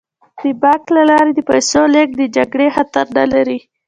د بانک له لارې د پیسو لیږد د جګړې خطر نه لري.